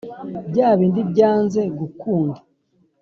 byabindi byanze gukunda